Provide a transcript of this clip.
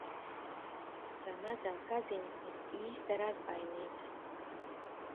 Tā mazā kaziņa ir īsta razbainiece!